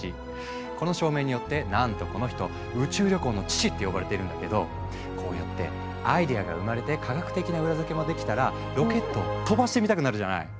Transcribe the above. この証明によってなんとこの人「宇宙旅行の父」って呼ばれているんだけどこうやってアイデアが生まれて科学的な裏付けもできたらロケットを飛ばしてみたくなるじゃない？